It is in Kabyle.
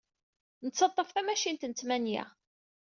Nettaḍḍaf tamacint n ttmanya.